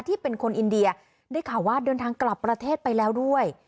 เป็นคนอินเดียได้ข่าวว่าเดินทางกลับประเทศไปแล้วด้วย